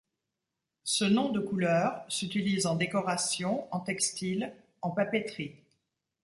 Ce nom de couleur s'utilise en décoration, en textile, en papeterie.